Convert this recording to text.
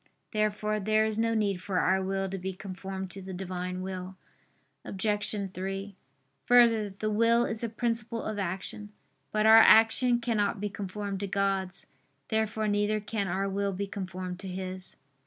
Therefore there is no need for our will to be conformed to the Divine will. Obj. 3: Further, the will is a principle of action. But our action cannot be conformed to God's. Therefore neither can our will be conformed to His.